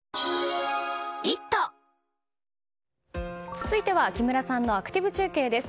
続いては木村さんのアクティブ中継です。